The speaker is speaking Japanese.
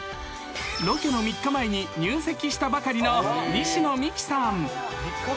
［ロケの３日前に入籍したばかりの西野未姫さん］